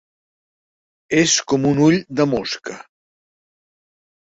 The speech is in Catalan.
És com un ull de mosca!